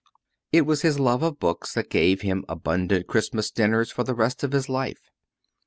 It was his love of books that gave him abundant Christmas dinners for the rest of his life.